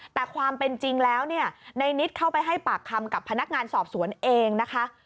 แต่ความเป็นจริงแล้วเนี่ยในนิดเข้าไปให้ปากคำกับพนักงานสอบสวนเองนะคะ